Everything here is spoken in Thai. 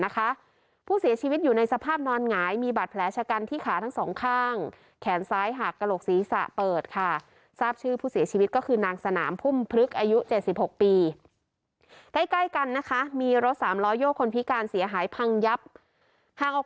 ใกล้กันนะคะมีรถสามล้อโยคลพิการเสียหายพังยับหางออก